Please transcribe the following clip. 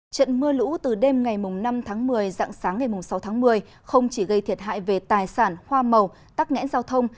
trận mưa lũ từ đêm ngày năm tháng một mươi dạng sáng ngày sáu tháng một mươi không chỉ gây thiệt hại về tài sản hoa màu tắc nghẽn giao thông